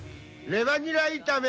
レバニラ炒め。